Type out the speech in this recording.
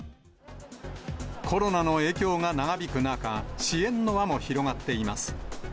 コロナの影響が長引く中、支援の輪も広がっています。